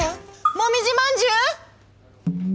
もみじまんじゅう？」